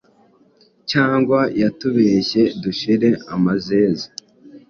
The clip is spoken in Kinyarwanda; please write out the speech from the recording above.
cyangwa yatubeshye dushire amazeze.”